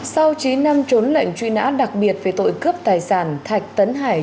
sau chín năm trốn lệnh truy nã đặc biệt về tội cướp tài sản thạch tấn hải